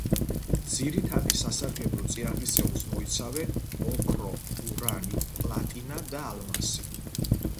ძირითადი სასარგებლო წიაღისეულს მოიცავენ ოქრო, ურანი, პლატინა და ალმასი.